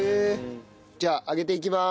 じゃあ揚げていきます。